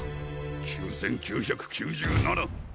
９９９７！